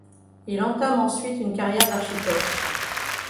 Il entame ensuite une carrière d'architecte.